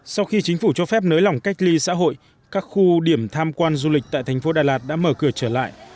sau khi chính phủ cho phép nới lỏng cách ly xã hội các khu điểm tham quan du lịch tại thành phố đà lạt đã mở cửa trở lại